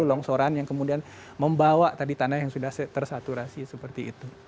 longsoran yang kemudian membawa tadi tanah yang sudah tersaturasi seperti itu